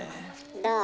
どう？